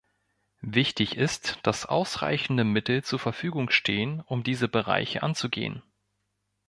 Wichtig ist, dass ausreichende Mittel zur Verfügung stehen, um diese Bereiche anzugehen.